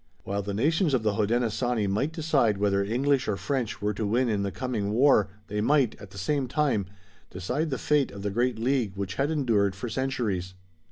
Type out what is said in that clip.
While the nations of the Hodenosaunee might decide whether English or French were to win in the coming war they might, at the same time, decide the fate of the great League which had endured for centuries.